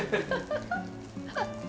ハハハハ。